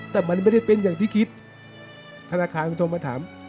แต่มันไม่ได้เป็นอย่างที่คิดธนาคารคงโทรมาถาม